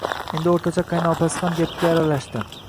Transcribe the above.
Endi o`rtancha qaynopasi ham gapga aralashdi